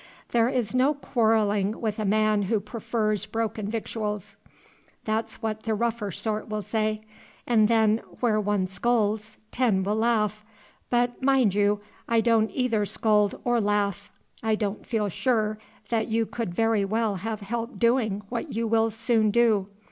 There is no quarrelling with a man who prefers broken victuals. That's what the rougher sort will say; and then, where one scolds, ten will laugh. But, mind you, I don't either scold or laugh. I don't feel sure that you could very well have helped doing what you will soon do.